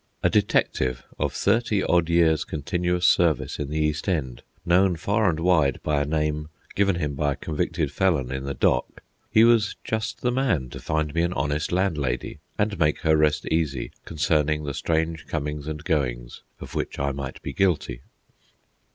A detective of thirty odd years' continuous service in the East End, known far and wide by a name given him by a convicted felon in the dock, he was just the man to find me an honest landlady, and make her rest easy concerning the strange comings and goings of which I might be guilty.